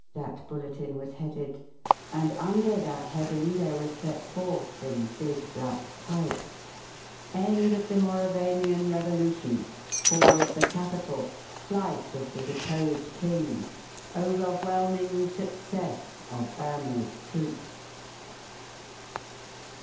that bulletin was headed, and under that heading there was set forth in big black type: END OF THE MAURAVANIAN REVOLUTION FALL OF THE CAPITAL FLIGHT OF THE DEPOSED KING OVERWHELMING SUCCESS OF IRMA'S TROOPS.